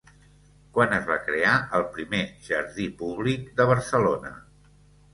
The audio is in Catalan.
Quan es va crear el primer jardí públic de Barcelona?